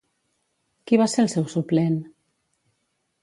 Qui va ser el seu suplent?